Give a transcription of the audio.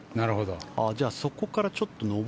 じゃあそこから上って。